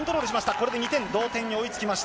これで２点、同点に追いつきました。